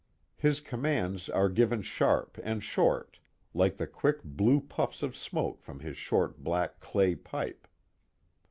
His commands are given sharp and short, like the quick blue puffs of smoke from his short black clay pipe.